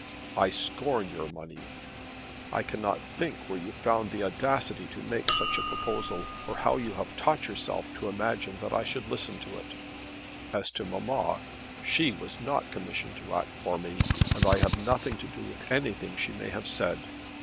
I scorn your money. I cannot think where you found the audacity to make such a proposal, or how you have taught yourself to imagine that I should listen to it. As to mamma, she was not commissioned to act for me, and I have nothing to do with anything she may have said.